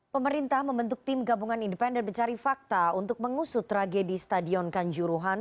pemerintah membentuk tim gabungan independen mencari fakta untuk mengusut tragedi stadion kanjuruhan